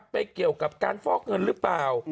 เกี่ยวกับการฟอกเงินหรือเปล่า